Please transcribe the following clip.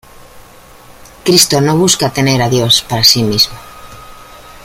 Cristo no busca tener a Dios para sí mismo.